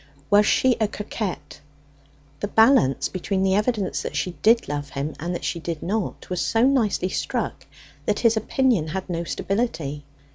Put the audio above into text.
Was she a coquette? The balance between the evidence that she did love him and that she did not was so nicely struck, that his opinion had no stability.